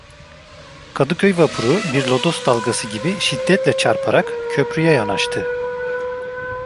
Kadıköy vapuru bir lodos dalgası gibi şiddetle çarparak köprüye yanaştı.